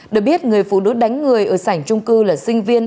được biết người phụ nữ đánh người ở sảnh trung cư là sinh viên